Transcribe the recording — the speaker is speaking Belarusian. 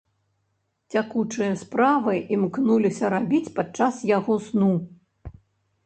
Цякучыя справы імкнуся рабіць падчас яго сну.